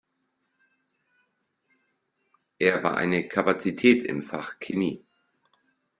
Er war eine Kapazität im Fach Chemie.